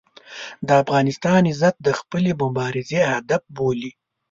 د افغانستان عزت د خپلې مبارزې هدف بولي.